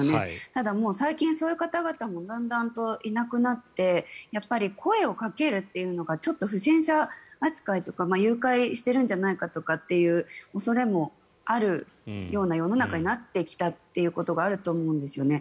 ただ、最近そういう方々もだんだんといなくなってやっぱり声をかけるというのがちょっと不審者扱いとか誘拐しているんじゃないかとかっていう恐れもあるような世の中になってきたということがあると思うんですよね。